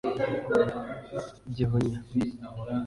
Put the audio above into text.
Gihunya